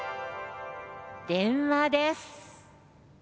電話です。